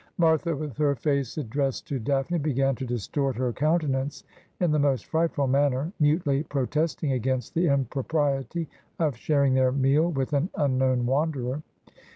Martha, with her face addressed to Daphne, began to distort her countenance in the most frightful manner, mutely protesting against the impropriety of sharing their meal with an unknown wanderer.